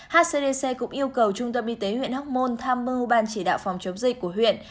hcdc cũng yêu cầu trung tâm y tế huyện hóc môn tham mưu ban chỉ đạo phòng chống dịch của huyện